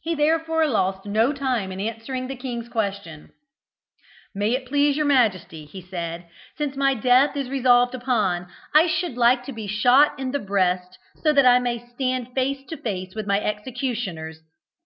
He therefore lost no time in answering the king's question. "May it please your majesty," he said, "since my death is resolved upon, I should like to be shot in the breast, so that I may stand face to face with my executioners.